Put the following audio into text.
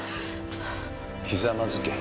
ひざまずけ。